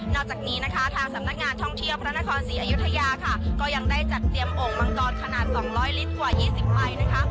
นอกจากนี้นะคะทางสำนักงานท่องเที่ยวพระนครศรีอายุทยาค่ะก็ยังได้จัดเตรียมองค์มังกรขนาดสองร้อยลิตรกว่ายี่สิบไลน์นะคะ